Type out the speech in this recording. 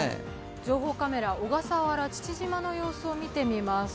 情報カメラ、小笠原・父島の様子を見てみます。